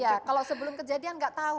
iya kalau sebelum kejadian nggak tahu